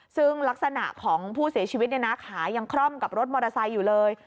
ซึ่งลักษณะของผู้เสียชีวิตเนี่ยนะขายังคร่อมกับรถมอเตอร์ไซค์อยู่เลย